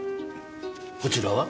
こちらは？